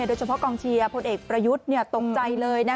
โดยเฉพาะกองเชียร์พลเอกประยุทธ์ตกใจเลย